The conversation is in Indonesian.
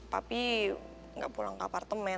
papi gak pulang ke apartemen